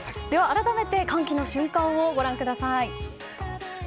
改めて歓喜の瞬間をご覧ください。